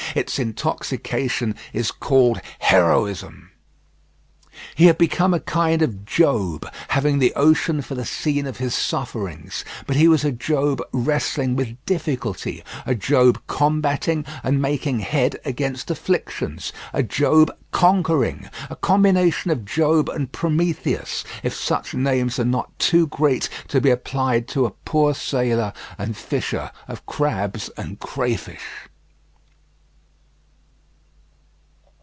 Its intoxication is called heroism. He had become a kind of Job, having the ocean for the scene of his sufferings. But he was a Job wrestling with difficulty, a Job combating and making head against afflictions; a Job conquering! a combination of Job and Prometheus, if such names are not too great to be applied to a poor sailor and fisher of crabs and crayfish.